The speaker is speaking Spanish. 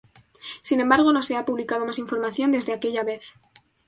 Sin embargo, no se ha publicado más información desde aquella vez.